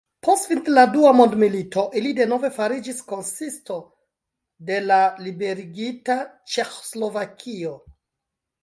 Post fino de la dua mondmilito ili denove fariĝis konsisto de la liberigita Ĉeĥoslovakio.